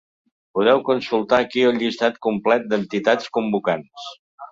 Podeu consultar ací el llistat complet d’entitats convocants.